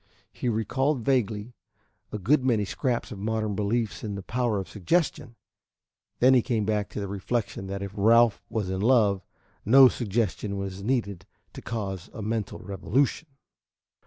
He recalled vaguely a good many scraps of modern beliefs in the power of suggestion; then he came back to the reflection that if Ralph was in love, no suggestion was needed to cause a mental revolution.